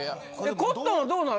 コットンはどうなの？